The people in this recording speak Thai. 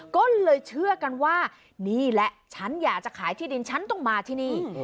ก็เลยเชื่อกันว่านี่แหละฉันอยากจะขายที่ดินฉันต้องมาที่นี่